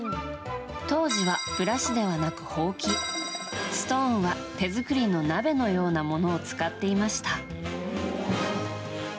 当時はブラシではなく、ほうきストーンは手作りの鍋のようなものを使っていました。